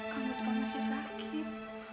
kamu juga masih sakit